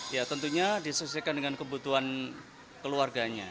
ya tentunya disesuaikan dengan kebutuhan keluarganya